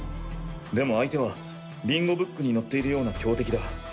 でも相手はビンゴブックに載っているような強敵だ。